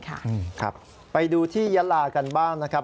ครับไปดูที่ยะลากันบ้างนะครับ